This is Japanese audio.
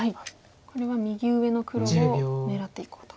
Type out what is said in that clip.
これは右上の黒を狙っていこうと。